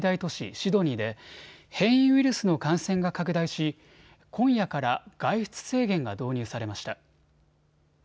シドニーで変異ウイルスの感染が拡大し今夜から外出制限が導入されました。